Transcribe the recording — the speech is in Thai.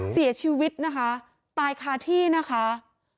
เสียชีวิตนะคะตายคาที่นะคะ